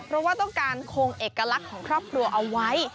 เพราะว่าต้องการคงเอกลักษณ์ของครอบครัวเอาไว้